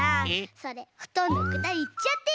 それほとんどこたえいっちゃってる！